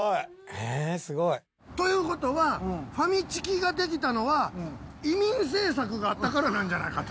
へぇすごい。ということはファミチキができたのは移民政策があったからなんじゃないかと。